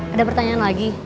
ada pertanyaan lagi